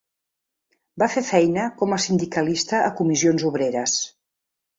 Va fer feina com a sindicalista a Comissions Obreres.